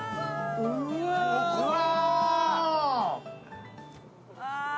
うわ。